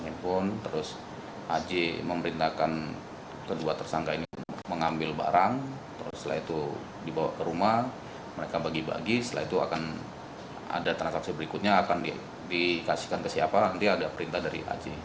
handphone terus ac memerintahkan kedua tersangka ini mengambil barang terus setelah itu dibawa ke rumah mereka bagi bagi setelah itu akan ada transaksi berikutnya akan dikasihkan ke siapa nanti ada perintah dari aceh